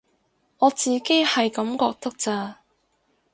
我自己係噉覺得咋